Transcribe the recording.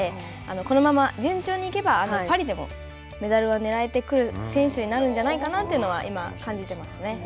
このまま順調に行けばパリでもメダルはねらえる選手になるんじゃないかなというのは今、感じてますね。